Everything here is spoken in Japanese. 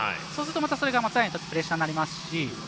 そうすると、それが松平にとってプレッシャーになりますし。